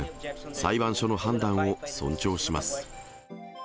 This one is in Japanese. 裁判所の判断を尊重します。